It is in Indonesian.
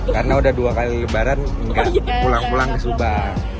karena udah dua kali lebaran hingga pulang pulang ke subang